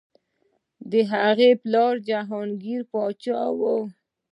د هغه پلار جهانګیر پادشاه و.